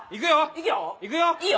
いくよ。